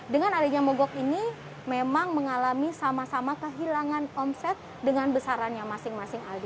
dengan adanya mogok ini memang mengalami sama sama kehilangan omset dengan besarannya masing masing aldi